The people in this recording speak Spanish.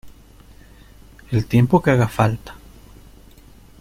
el tiempo que haga falta.